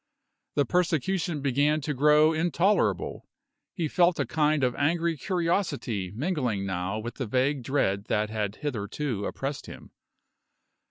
The persecution began to grow intolerable; he felt a kind of angry curiosity mingling now with the vague dread that had hitherto oppressed him.